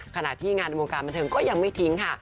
ขณะที่งานในวงการบันเทิงก็ยังไม่ทิ้งค่ะ